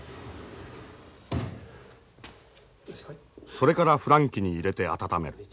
それから孵卵器に入れて温める。